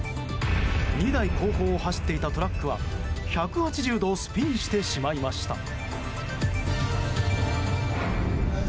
２台後方を走っていたトラックは１８０度スピンしてしまいました。